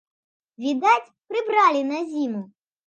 Відаць, прыбралі на зіму.